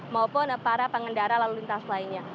maupun para pengendara lalu lintas lainnya